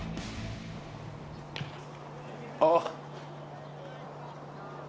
あっ。